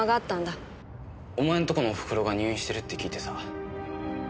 お前んとこのおふくろが入院してるって聞いてさ。